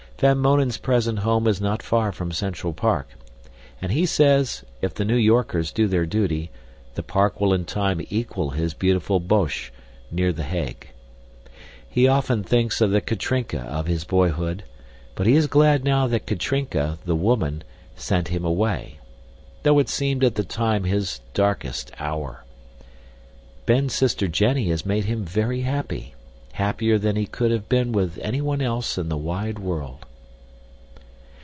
Van Mounen's present home is not far from Central Park, and he says if the New Yorkers do their duty the park will in time equal his beautiful Bosch, near The Hague. He often thinks of the Katrinka of his boyhood, but he is glad now that Katrinka, the woman, sent him away, though it seemed at the time his darkest hour. Ben's sister Jenny has made him very happy, happier than he could have been with anyone else in the wide world.